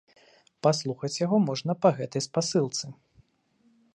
Паслухаць яго можна па гэтай спасылцы.